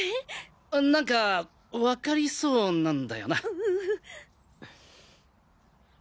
何かわかりそうなんだよな。